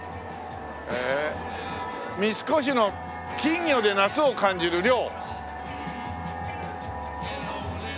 へえ三越の「金魚で夏を感じる、涼。」。